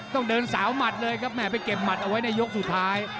ต้องเดินสาวหมัดเลยครับแม่ไปเก็บหมัดเอาไว้ในยกสุดท้าย